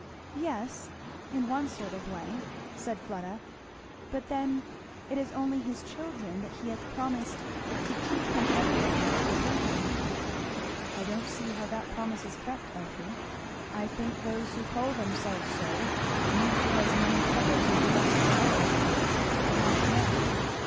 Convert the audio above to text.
"Yes in one sort of way," said Fleda; "but then it is only his children that he has promised to keep from everything that will hurt them." "I don't see how that promise is kept, Elfie. I think those who call themselves so meet with as many troubles as the rest of the world, and perhaps more."